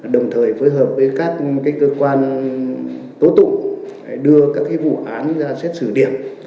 đồng thời phối hợp với các cơ quan tố tụng đưa các vụ án ra xét xử điểm